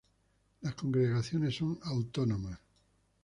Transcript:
Las congregaciones son autónomas.